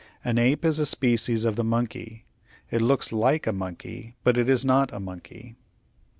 An ape is a species of the monkey. It looks like a monkey, but it is not a monkey."